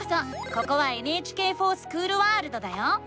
ここは「ＮＨＫｆｏｒＳｃｈｏｏｌワールド」だよ！